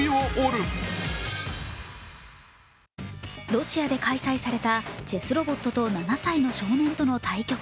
ロシアで開催されたチェスロボットと７歳の少年との対局。